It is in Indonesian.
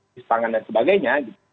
pistangan dan sebagainya